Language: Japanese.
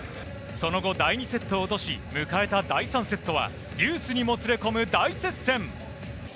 その後第２セットを落とし、迎えた第３セットはデュースにもつれ込む大接戦。